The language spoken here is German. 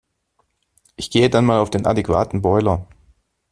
Ich gehe dann mal auf den adäquaten Boiler.